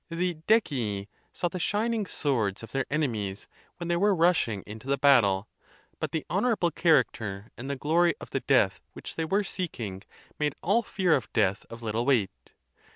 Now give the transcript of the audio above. The Decii saw the shining swords of their enemies when they were rushing into the battle. But the honorable character and the glory of the death which they were seeking made all fear of death of lit tle weight.